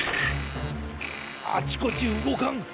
あちこちうごかん！